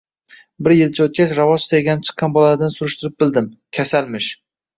Bir yilcha oʼtgach, ravoch tergani chiqqan bolalardan surishtirib bildim: kasalmish!